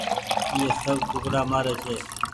ايئي سب ڪوُڪڙآ مآري ڇي